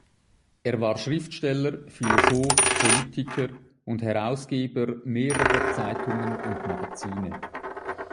Er war Schriftsteller, Philosoph, Politiker und Herausgeber mehrerer Zeitungen und Magazine.